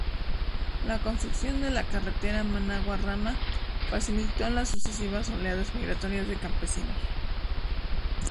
La construcción de la carretera Managua-Rama facilitó las sucesivas oleadas migratorias de campesinos.